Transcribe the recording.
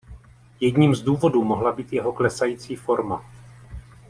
Jedním z důvodů mohla být jeho klesající forma.